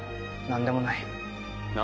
何でもない？